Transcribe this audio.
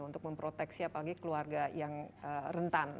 untuk memproteksi apalagi keluarga yang rentan